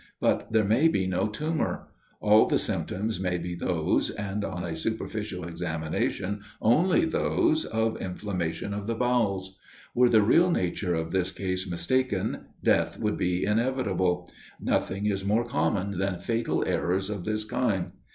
But there may be no tumor; all the symptoms may be those, and, on a superficial examination, only those, of inflammation of the bowels. Were the real nature of this case mistaken, death would be inevitable. Nothing is more common than fatal errors of this kind.